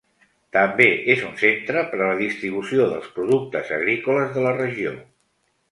També és un centre per a la distribució dels productes agrícoles de la regió.